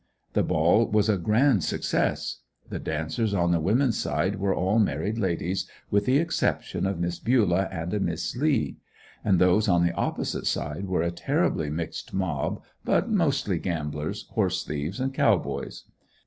The ball was a grand success. The dancers on the womens' side, were all married ladies, with the exception of Miss Bulah and a Miss Lee; and those on the opposite side were a terribly mixed mob, but mostly gamblers, horse thieves and cow boys.